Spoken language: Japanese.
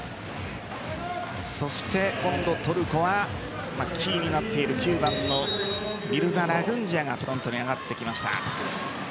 今度、トルコはキーになっている９番のミルザ・ラグンジヤがフロントに上がってきました。